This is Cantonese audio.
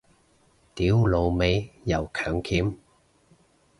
屌老味又強檢